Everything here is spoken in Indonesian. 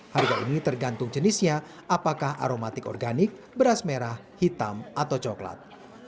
harga ini tergantung jenisnya apakah aromatik organik beras merah hitam atau coklat